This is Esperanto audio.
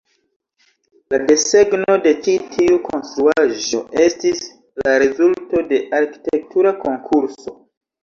La desegno de ĉi tiu konstruaĵo estis la rezulto de arkitektura konkurso.